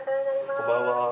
こんばんは。